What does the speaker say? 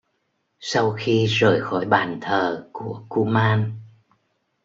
Sau khi rời khỏi bàn thờ của kuman